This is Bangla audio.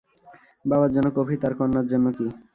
বাবার জন্য কফি, তার কন্যার জন্য কী?